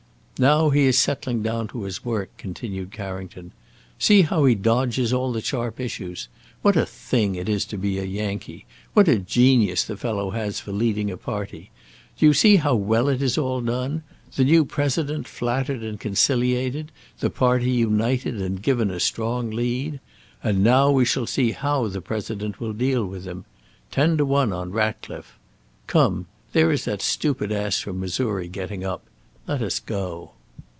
"Now he is settling down to his work," continued Carrington. "See how he dodges all the sharp issues. What a thing it is to be a Yankee! What a genius the fellow has for leading a party! Do you see how well it is all done? The new President flattered and conciliated, the party united and given a strong lead. And now we shall see how the President will deal with him. Ten to one on Ratcliffe. Come, there is that stupid ass from Missouri getting up. Let us go."